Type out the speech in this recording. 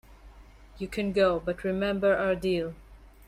You can go, but remember our deal.